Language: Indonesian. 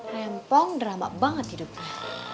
rempong drama banget hidupnya